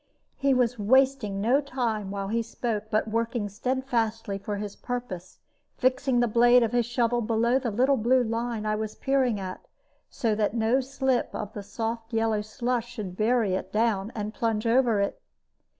He was wasting no time while he spoke, but working steadfastly for his purpose, fixing the blade of his shovel below the little blue line I was peering at, so that no slip of the soft yellow slush should bury it down, and plunge over it.